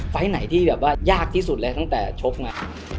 ไหนที่แบบว่ายากที่สุดเลยตั้งแต่ชกมา